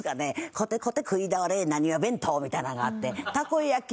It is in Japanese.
コテコテ食い倒れナニワ弁当みたいなのがあってたこ焼き